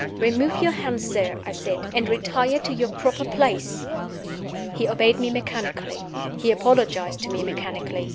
"Remove your hands, sir," I said, "and retire to your proper place." He obeyed me mechanically. He apologized to me mechanically.